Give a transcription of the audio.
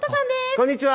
こんにちは。